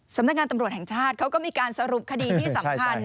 สำนักงานตำรวจแห่งชาติเขาก็มีการสรุปคดีที่สำคัญ